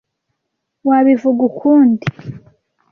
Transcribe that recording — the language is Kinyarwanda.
Wabivuga ukundi?